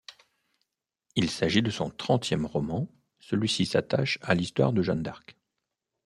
Il s'agit de son trentième roman, celui-ci s'attache à l'histoire de Jeanne d'Arc.